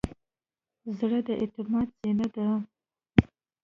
زړه د اعتماد زینه ده.